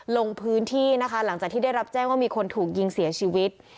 ลงพื้นที่นะคะหลังจากที่ได้รับแจ้งว่ามีคนถูกยิงเสียชีวิต